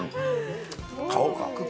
買おうか。